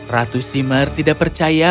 ratu simar tidak percaya